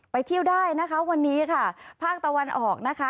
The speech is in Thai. เที่ยวได้นะคะวันนี้ค่ะภาคตะวันออกนะคะ